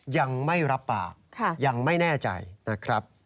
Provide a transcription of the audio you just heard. ยังไม่รับปากยังไม่แน่ใจนะครับ